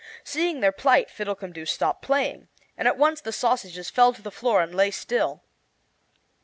Seeing their plight, Fiddlecumdoo stopped playing, and at once the sausages fell to the floor and lay still.